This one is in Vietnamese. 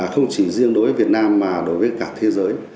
không chỉ riêng đối với việt nam mà đối với cả thế giới